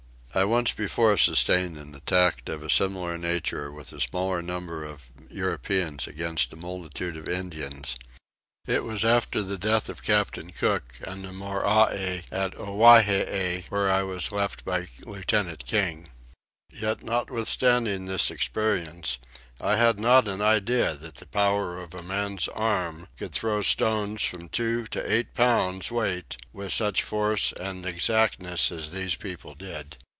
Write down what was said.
I once before sustained an attack of a similar nature with a smaller number of Europeans against a multitude of Indians: it was after the death of Captain Cook on the Morai at Owhyhee, where I was left by Lieutenant King. Yet notwithstanding this experience I had not an idea that the power of a man's arm could throw stones from two to eight pounds weight with such force and exactness as these people did.